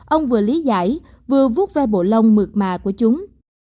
ông vừa lý giải vừa vút ve bộ lông mượt mà của chúng